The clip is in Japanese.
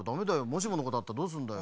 もしものことがあったらどうすんだよ。